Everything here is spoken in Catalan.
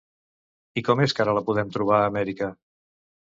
I com és que ara la podem trobar a Amèrica?